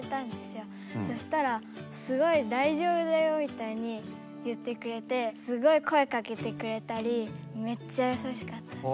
そしたらすごいだいじょうぶだよみたいに言ってくれてすごい声かけてくれたりめっちゃやさしかったです。